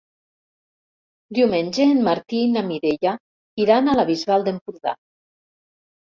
Diumenge en Martí i na Mireia iran a la Bisbal d'Empordà.